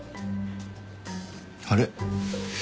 あれ？